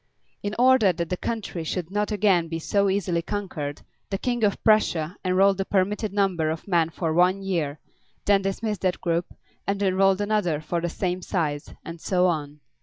In order that the country should not again be so easily conquered, the king of Prussia enrolled the permitted number of men for one year, then dismissed that group, and enrolled another of the same size, and so on.